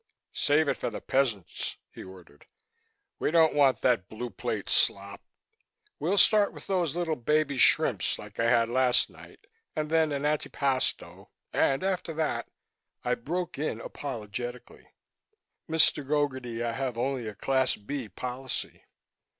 "Save it for the peasants," he ordered. "We don't want that Blue Plate slop. We'll start with those little baby shrimps like I had last night, and then an antipasto and after that " I broke in apologetically, "Mr. Gogarty, I have only a Class B policy."